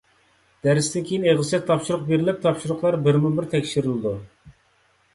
دەرستىن كېيىن ئېغىزچە تاپشۇرۇق بېرىلىپ، تاپشۇرۇقلار بىرمۇبىر تەكشۈرۈلىدۇ.